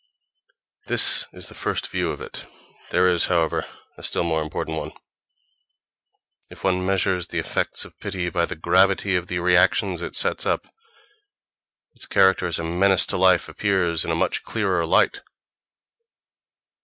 This is the first view of it; there is, however, a still more important one. If one measures the effects of pity by the gravity of the reactions it sets up, its character as a menace to life appears in a much clearer light.